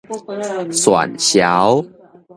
訕潲